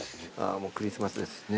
もうクリスマスですね。